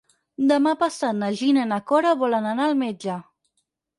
Demà passat na Gina i na Cora volen anar al metge.